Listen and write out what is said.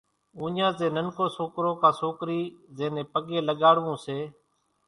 اُوڃان زين ننڪو سوڪرو ڪان سوڪري زين نين پڳين لڳاڙوون سي۔